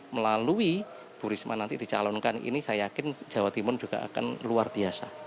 melalui bu risma nanti dicalonkan ini saya yakin jawa timur juga akan luar biasa